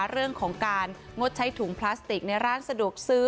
เรื่องของการงดใช้ถุงพลาสติกในร้านสะดวกซื้อ